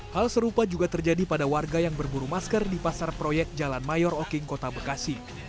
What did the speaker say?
hal serupa juga terjadi pada warga yang berburu masker di pasar proyek jalan mayor oking kota bekasi